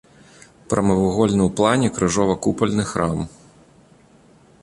Прамавугольны ў плане крыжова-купальны храм.